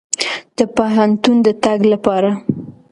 د پوهنتون د تګ لپاره.